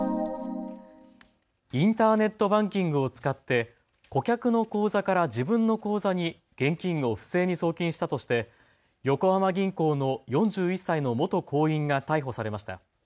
インターネットバンキングを使って顧客の口座から自分の口座に現金を不正に送金したとして横浜銀行の４１歳の元行員が逮捕されました。